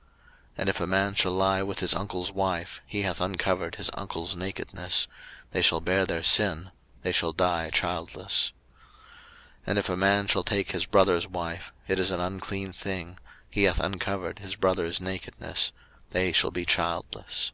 03:020:020 And if a man shall lie with his uncle's wife, he hath uncovered his uncle's nakedness: they shall bear their sin; they shall die childless. 03:020:021 And if a man shall take his brother's wife, it is an unclean thing: he hath uncovered his brother's nakedness; they shall be childless.